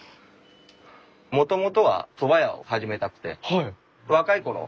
もともとはそば屋を始めたくて若いころ